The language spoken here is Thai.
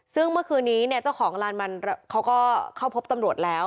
ซึ่งเมื่อคืนนี้เนี่ยเจ้าของลานมันเขาก็เข้าพบตำรวจแล้ว